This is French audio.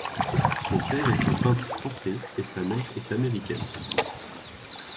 Son père est un peintre français et sa mère est américaine.